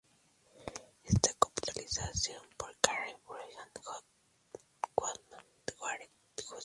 Está coprotagonizada por Carey Mulligan, John Goodman, Garrett Hedlund y Justin Timberlake.